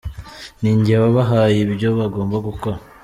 Ni nge wabahaye ibyo bagomba gukora.